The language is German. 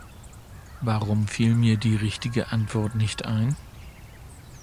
Warum fiel mir die richtige Antwort nicht ein?